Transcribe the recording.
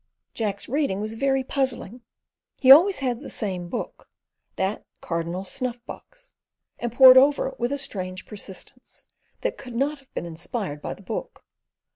Jack's reading was very puzzling. He always had the same book—that "Cardinal's Snuff box"—and pored over it with a strange persistence, that could not have been inspired by the book.